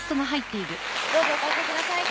どうぞおかけください